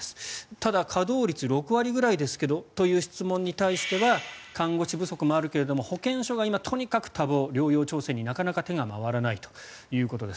ただ、稼働率は６割ぐらいですけどという質問に対しては看護師不足もあるけれど保健所が今、とにかく多忙療養調整になかなか手が回らないということです。